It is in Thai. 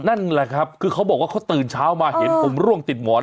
นั่นแหละครับเขาตื่นเช้ามาเห็นผมล่วงติดหมอน